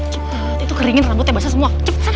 itu keringin rambutnya basah semua